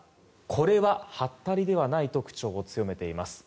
これははったりではないと口調を強めています。